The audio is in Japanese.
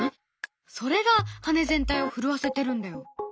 それが羽全体を震わせてるんだよ。